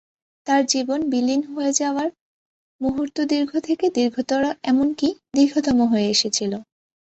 তার জীবন বিলীন হয়ে যাওয়ার মুহূর্ত দীর্ঘ থেকে দীর্ঘতর, এমনকি দীর্ঘতম হয়ে এসেছিল।